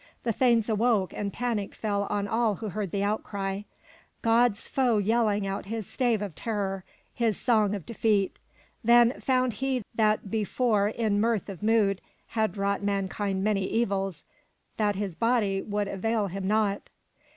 The thanes awoke and panic fell on all who heard the outcry, — God's foe yelling out his stave of terror, his song of defeat. Then found he that before in mirth of mood had wrought mankind many evils that his body would avail him not.